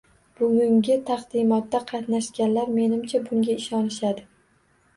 Bugungi taqdimotda qatnashganlar, menimcha, bunga ishonishadi